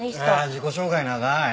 あ自己紹介長い。